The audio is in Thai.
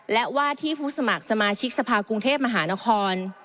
และว่าที่ผู้สมัครสมาชิกสภากรุงเทพมหานคร